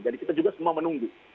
jadi kita juga semua menunggu